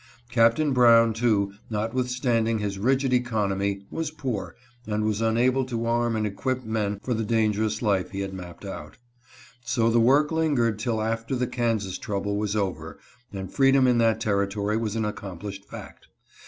Captain Brown, too, notwithstanding his rigid economy, was poor, and was unable to arm and equip men for the dangerous life he had mapped out. So the work lingered till after BROWN AT AUTHOR'S HOUSE. 385 the Kansas trouble was over and freedom in that Territory was an accomplished fact.